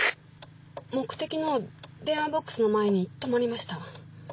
目的の電話ボックスの前に止まりました。